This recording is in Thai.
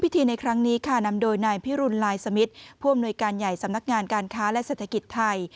ในครั้งนี้ค่ะนำโดยนายพิรุณลายสมิทผู้อำนวยการใหญ่สำนักงานการค้าและเศรษฐกิจไทย